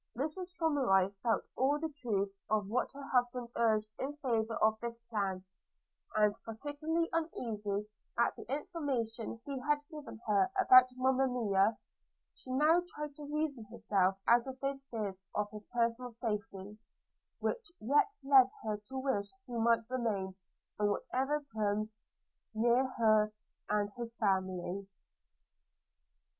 Mrs Somerive felt all the truth of what her husband urged in favour of this plan; and, particularly uneasy at the information he had given her about Monimia, she now tried to reason herself out of those fears of his personal safety, which yet led her to wish he might remain, on whatever terms, near her and his family.